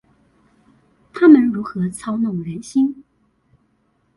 他們如何操弄人心？